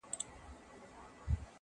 ماهى چي نه نيسې، تر لکۍ ئې ټينگوه.